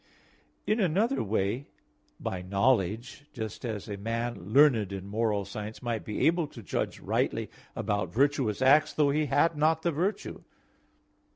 In another way, by knowledge, just as a man learned in moral science might be able to judge rightly about virtuous acts, though he had not the virtue.